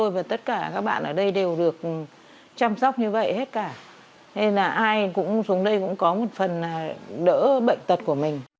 và các bạn ở đây đều được chăm sóc như vậy hết cả